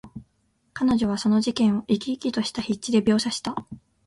彼女はその事件を、生き生きとした筆致で描写した。